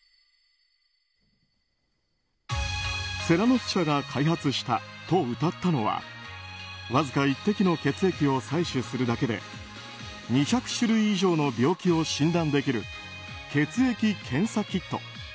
セラノス社が開発したとうたったのはわずか１滴の血液を採取するだけで２００種類以上の病気を診断できる血液検査キット。